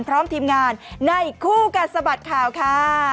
พร้อมทีมงานในคู่กัดสะบัดข่าวค่ะ